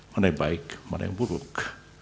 mana yang baik mana yang buruk